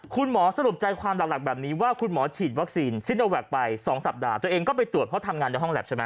สรุปใจความหลักแบบนี้ว่าคุณหมอฉีดวัคซีนซิโนแวคไป๒สัปดาห์ตัวเองก็ไปตรวจเพราะทำงานในห้องแล็บใช่ไหม